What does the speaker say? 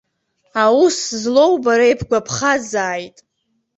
Аус злоу, бара ибгәаԥхазааит.